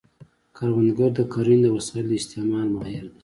کروندګر د کرنې د وسایلو د استعمال ماهر دی